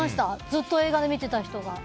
ずっと映画で見てた人が。